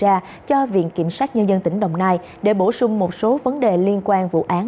hội đồng xuất xử yêu cầu viện kiểm sát nhân dân tỉnh đồng nai để bổ sung một số vấn đề liên quan vụ án